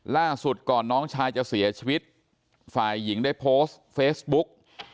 ล่าสุดก่อนน้องชายจะเสียชีวิตฝ่ายหญิงได้โพสต์เฟซบุ๊ก